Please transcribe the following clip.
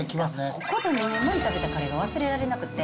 ここで２年前に食べたカレーが忘れられなくて。